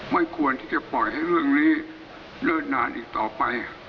ไม่ควรที่จะปล่อยให้เรื่องนี้เลิศนานอีกต่อไป